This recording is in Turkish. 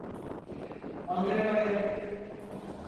Aldırmayın.